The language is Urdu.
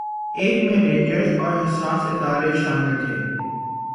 ایک میں رینجرز اور حساس ادارے شامل تھے